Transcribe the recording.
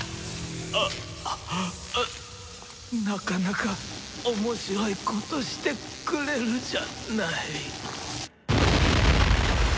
うっなかなか面白いことしてくれるじゃない。